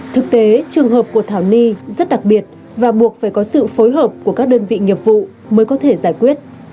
thực tế trường hợp của thảo ly rất đặc biệt và buộc phải có sự phối hợp của các đơn vị nghiệp vụ mới có thể giải quyết